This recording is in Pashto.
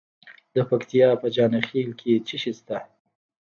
د پکتیا په جاني خیل کې څه شی شته؟